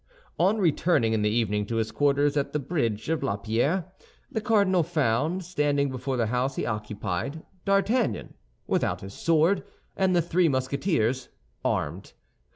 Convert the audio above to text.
On returning in the evening to his quarters at the bridge of La Pierre, the cardinal found, standing before the house he occupied, D'Artagnan, without his sword, and the three Musketeers armed.